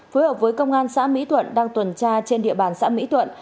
phối hợp với công an xã mỹ tuận đang tuần tra trên địa bàn xã mỹ tuận